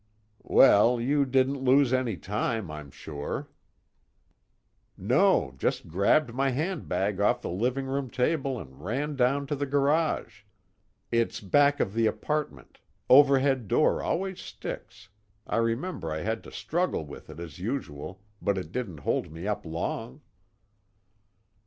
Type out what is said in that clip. "Well, you didn't lose any time, I'm sure." "No, just grabbed my handbag off the living room table and ran down to the garage. It's back of the apartment overhead door always sticks, I remember I had to struggle with it as usual but it didn't hold me up long."